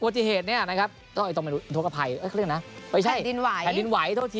โจทยธแผนดินไหว